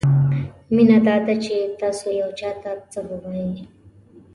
مینه دا نه ده چې تاسو یو چاته څه ووایئ.